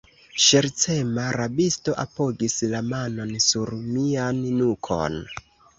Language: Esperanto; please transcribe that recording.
Ŝercema rabisto apogis la manon sur mian nukon.